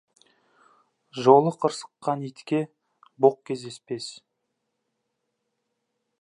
Жолы қырсыққан итке боқ кездеспес.